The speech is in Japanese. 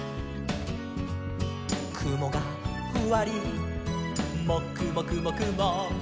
「くもがふわりもくもくもくも」